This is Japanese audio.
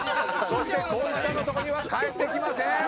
そして光一さんの所には帰ってきません！